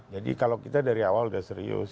jadi kalau kita dari awal sudah serius